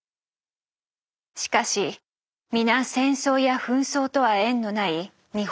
しかし皆戦争や紛争とは縁のない日本育ち。